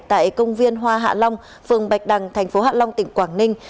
tại công viên hoa hạ long phường bạch đằng thành phố hạ long tỉnh quảng ninh